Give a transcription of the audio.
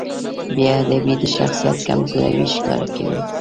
بېادبي د شخصیت کمزوري ښکاره کوي.